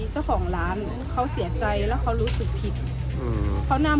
เจ้าของร้านเขาเสียใจแล้วเขารู้สึกผิดอืมเขานำ